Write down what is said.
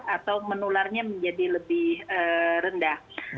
atau menularnya menjadi lebih rendah